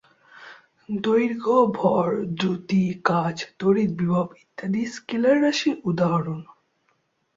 দৈর্ঘ্য, ভর, দ্রুতি, কাজ, তড়িৎ বিভব ইত্যাদি স্কেলার রাশির উদাহরণ।